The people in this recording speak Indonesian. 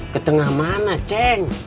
ketengah mana ceng